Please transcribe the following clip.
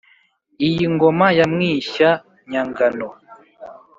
iyi ngoma ya mwishya-nyagano